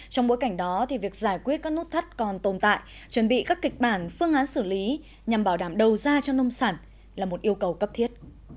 trong bối cảnh đó việc giải quyết các nốt thắt còn tồn tại chuẩn bị các kịch bản phương án xử lý nhằm bảo đảm đầu ra cho nông sản là một yêu cầu cấp thiết